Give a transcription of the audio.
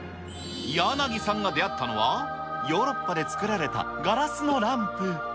柳さんが出会ったのは、ヨーロッパで作られたガラスのランプ。